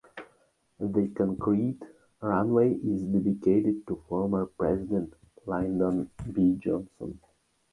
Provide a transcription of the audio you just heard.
The concrete runway is dedicated to former President Lyndon B. Johnson.